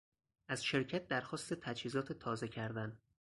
از شرکت درخواست تجهیزات تازه کردن